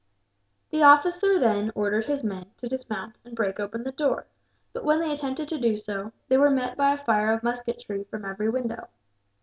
The officer then ordered his men to dismount and break open the door but, when they attempted to do so, they were met by a fire of musketry from every window.